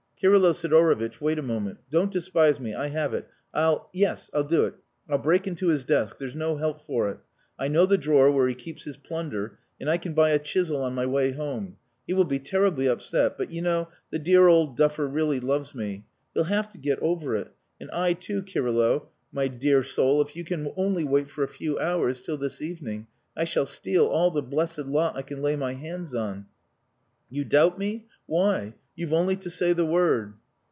"Kirylo Sidorovitch, wait a moment. Don't despise me. I have it. I'll, yes I'll do it I'll break into his desk. There's no help for it. I know the drawer where he keeps his plunder, and I can buy a chisel on my way home. He will be terribly upset, but, you know, the dear old duffer really loves me. He'll have to get over it and I, too. Kirylo, my dear soul, if you can only wait for a few hours till this evening I shall steal all the blessed lot I can lay my hands on! You doubt me! Why? You've only to say the word."